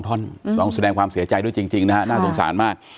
ท่อนต้องแสดงความเสียใจด้วยจริงนะฮะน่าสงสารมาก